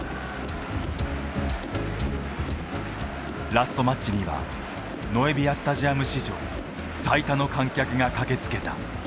ラストマッチにはノエビアスタジアム史上最多の観客が駆けつけた。